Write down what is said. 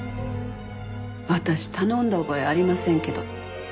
私頼んだ覚えありませんけど。